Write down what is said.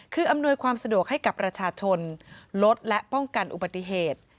คืออำนวยความสะดวกให้กับประชาชนลดและป้องกันอุบัติเหตุ